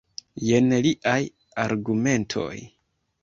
Jen liaj argumentoj.